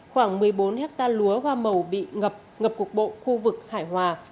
khoảng một mươi bốn hectare lúa hoa màu bị ngập ngập cục bộ khu vực hải hòa